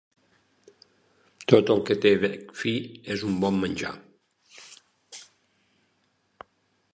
Tot el que té bec fi és un bon menjar.